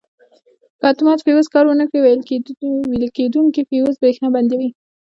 که اتومات فیوز کار ور نه کړي ویلې کېدونکی فیوز برېښنا بندوي.